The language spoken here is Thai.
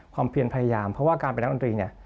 ความเพียรพยายามเพราะว่าการเป็นนักดนตรี